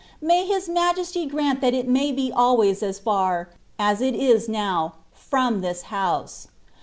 May His Majesty grant that it may be always as far (as it now is) from this house.